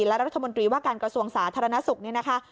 และรัฐมนตรีว่าการกระทรวงสาธารณสุขนี่นะคะ